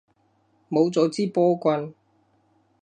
冇咗支波棍